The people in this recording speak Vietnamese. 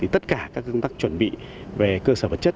tất cả các công tác chuẩn bị về cơ sở vật chất